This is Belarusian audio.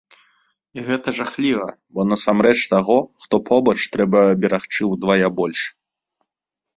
І гэта жахліва, бо насамрэч, таго, хто побач, трэба берагчы ўдвая больш.